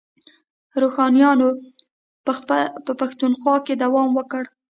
روښانیانو په پښتونخوا کې دوام وکړ.